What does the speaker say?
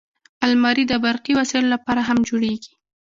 الماري د برقي وسایلو لپاره هم جوړیږي